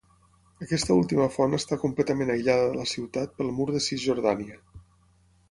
Aquesta última font està completament aïllada de la ciutat pel Mur de Cisjordània.